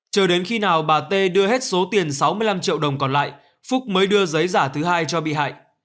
chờ đến khi nào bà t đưa hết số tiền sáu mươi năm triệu đồng còn lại phúc mới đưa giấy giả thứ hai cho bị hại